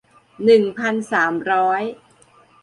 หนึ่งพันสามร้อย